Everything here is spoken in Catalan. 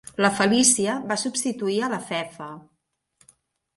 La Felicia va substituir a la Fefa.